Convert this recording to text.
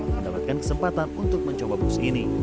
mendapatkan kesempatan untuk mencoba bus ini